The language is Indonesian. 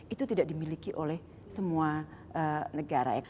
itu tidak dimiliki oleh semua negara ya